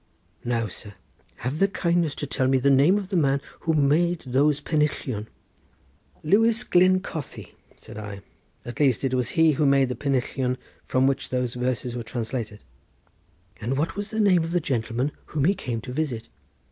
Now, sir, have the kindness to tell me the name of the man who made those pennillion." "Lewis Glyn Cothi," said I; "at least, it was he who made the pennillion from which those verses are translated." "And what was the name of the gentleman whom he came to visit?"